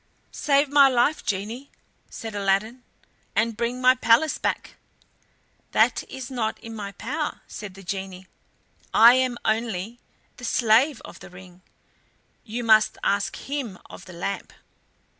"Save my life, genie," said Aladdin, "and bring my palace back." "That is not in my power," said the genie; "I am only the Slave of the Ring; you must ask him of the lamp."